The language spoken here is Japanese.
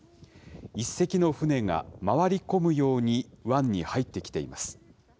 １隻の船が回り込むように湾に入ってきています。